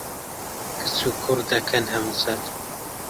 کچ و کوڕ دەکەن هەمزەل